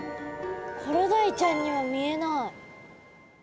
コロダイちゃんには見えない。